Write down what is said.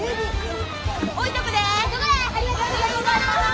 ありがとうございます。